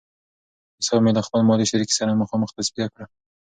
حساب مې له خپل مالي شریک سره مخامخ تصفیه کړ.